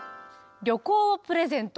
「旅行をプレゼント」！